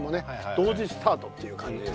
同時スタートっていう感じですから。